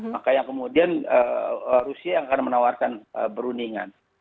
maka yang kemudian rusia yang akan menawarkan perundingan